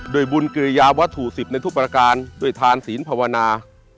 โดยบุญเกรยาวัตถุสิบในทุกประการโดยทานศีลภาวนา